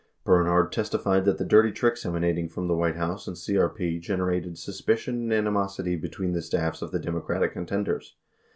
Bernhard testified that the "dirty tricks" emanating from the White House and CEP "generated suspicion and animosity between the staffs of the Democratic contenders."